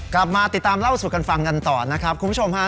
กลับมาติดตามเล่าสู่กันฟังกันต่อนะครับคุณผู้ชมฮะ